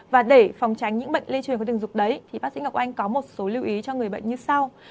và để phòng tránh những bệnh lây truyền của tình dục đấy thì bác sĩ ngọc oanh có một số lưu ý cho người bệnh như sau